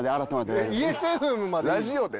ラジオで？